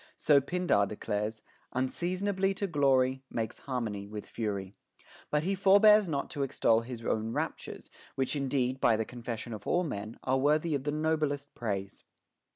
So Pindar declares, Unseasonably to glory Makes harmony with fury ;* but he forbears not to extol his own raptures, which indeed, by the confession of all men, are worthy of the noblest praise.